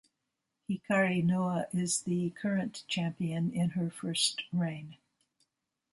Hikari Noa is the current champion in her first reign.